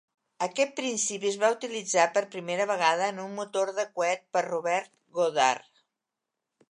Aquest principi es va utilitzar per primera vegada en un motor de coet per Robert Goddard.